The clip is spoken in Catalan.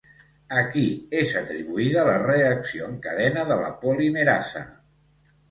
A qui és atribuïda la reacció en cadena de la polimerasa?